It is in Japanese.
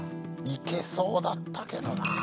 いけそうだったけどな。